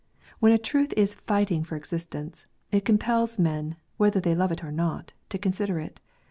When a truth is fighting for existence, it compels men, whether they love it or not, to consider it.